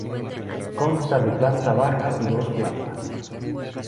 Consta de planta baja y dos plantas.